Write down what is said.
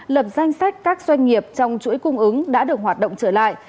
lập danh sách các doanh nghiệp trong chuỗi cung ứng đã được hoạt động trở lại